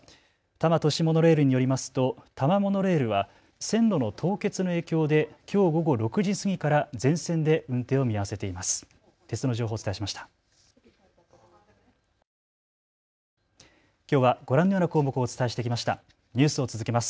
多摩都市モノレールによりますと多摩モノレールは線路の凍結の影響できょう午後６時過ぎから全線で運転を見合わせています。